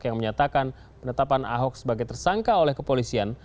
yang menyatakan penetapan ahok sebagai tersangka oleh kepolisian